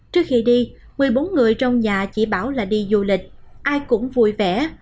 trước khi đi một mươi bốn người trong nhà chỉ bảo là đi du lịch ai cũng vui vẻ